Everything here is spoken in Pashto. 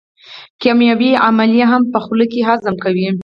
کیمیاوي عملیې هم په خوله کې هضم کوي.